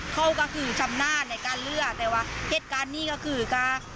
เขาก็คือชำนาจในการเลือกแต่ว่าเหตุการณ์นี้ก็คือก็